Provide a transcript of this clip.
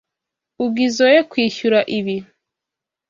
Ugizoe kwishyura ibi.